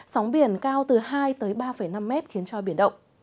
sóng biển cao từ hai tới ba năm mét khiến cho biển động